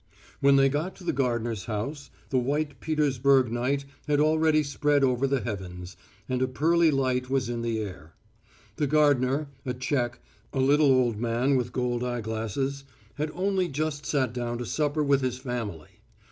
When they got to the gardener's house, the white Petersburg night had already spread over the heavens, and a pearly light was in the air. The gardener, a Tchekh, a little old man with gold eyeglasses, had only just sat down to supper with his family.